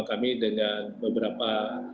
kami dengan beberapa